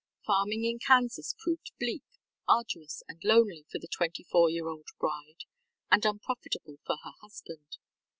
Farming in Kansas proved bleak, arduous and lonely for the twenty four year old bride, and unprofitable for her husband.